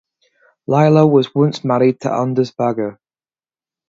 Laila was once married to Anders Bagge.